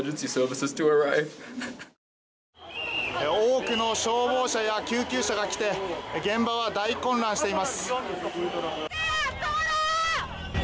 多くの消防車や救急車が来て現場は大混乱しています。